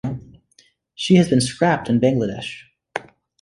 She has been scrapped in Bangladesh.